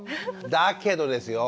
だけどですよ